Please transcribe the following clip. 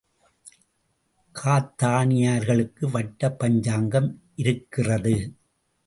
காத்தாணியர்களுக்கு வட்டப் பஞ்சாங்கம் இருக்கிறது.